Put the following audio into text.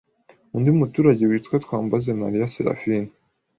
Undi muturage witwa Twambazemariya Seraphine